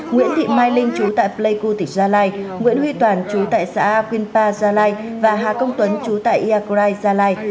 nguyễn thị mai linh chú tại pleiku tỉnh gia lai nguyễn huy toàn chú tại xã quyên pa gia lai và hà công tuấn chú tại iacrai gia lai